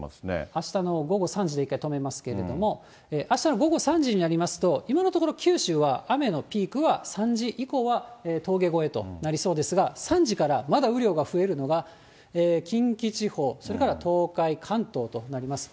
あしたの午後３時でいったん止めますけれども、あしたの午後３時になりますと、今のところ、九州は雨のピークは、３時以降は峠越えとなりそうですが、３時からまだ雨量が増えるのが、近畿地方、それから東海、関東となります。